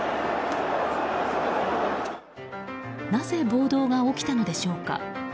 なぜ暴動が起きたのでしょうか？